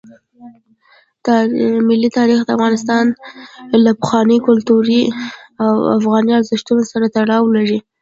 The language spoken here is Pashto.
ملي تاریخ د افغانستان له پخوانیو کلتوري او افغاني ارزښتونو سره تړاو لري.